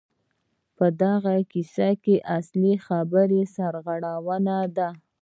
په دغو کیسو کې اصلي خبره سرغړونه ده.